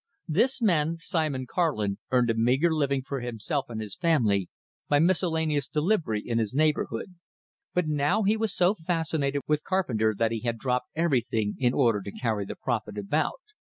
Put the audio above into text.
This man, Simon Karlin, earned a meager living for himself and his family by miscellaneous delivery in his neighborhood; but now he was so fascinated with Carpenter that he had dropped everything in order to carry the prophet about.